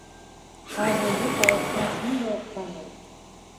Фазыйҙы тауышынан шунда уҡ таный.